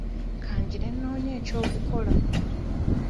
Ka ngire nnoonye eky'okukola.